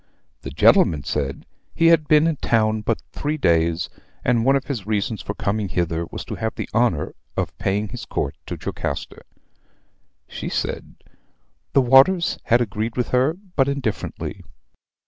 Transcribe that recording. "The gentleman said, 'he had been in town but three days; and one of his reasons for coming hither was to have the honor of paying his court to Jocasta.' "She said, 'the waters had agreed with her but indifferently.'